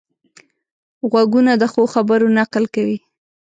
غوږونه د ښو خبرو نقل کوي